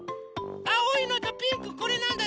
あおいのとピンクこれなんだ？